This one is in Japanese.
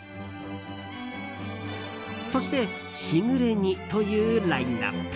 そして、しぐれ煮というラインアップ。